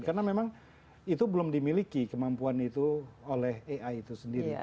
karena memang itu belum dimiliki kemampuan itu oleh ai itu sendiri